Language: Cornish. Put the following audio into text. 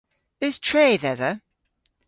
Eus tre dhedha?